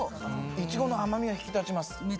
苺の甘みが引き立ちます。